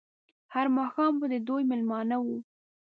هر ماښام به د دوی مېلمانه وو.